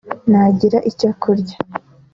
ntagira icyo kurya